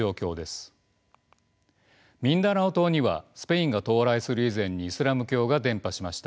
ミンダナオ島にはスペインが到来する以前にイスラム教が伝播しました。